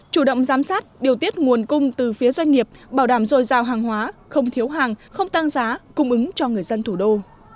chủ động giám sát điều tiết nguồn cung từ phía doanh nghiệp bảo đảm dồi dào hàng hóa không thiếu hàng không tăng giá cung ứng cho người dân thủ đô